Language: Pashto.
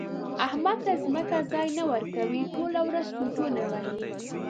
احمد ته ځمکه ځای نه ورکوي؛ ټوله ورځ سوچونه وهي.